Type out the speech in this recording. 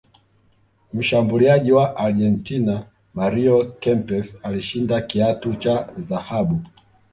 mshambuliaji wa argentina mario Kempes alishinda kiatu cha dhahabu